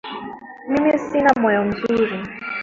Mimi sina moyo mzuri